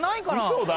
嘘だ。